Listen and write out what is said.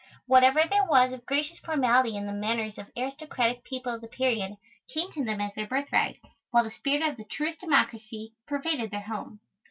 Whatever there was of gracious formality in the manners of aristocratic people of the period, came to them as their birthright, while the spirit of the truest democracy pervaded their home.